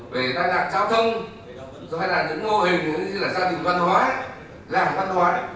về đại đạc giao thông rồi là những ngôi hình như là gia đình văn hóa làng văn hóa